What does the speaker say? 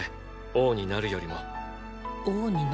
王になるより？